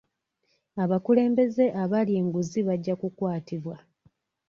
Abakulembeze abalya enguzi bajja kukwatibwa.